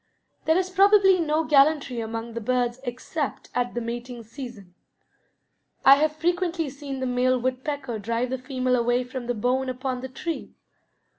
There is probably no gallantry among the birds except at the mating season. I have frequently seen the male woodpecker drive the female away from the bone upon the tree.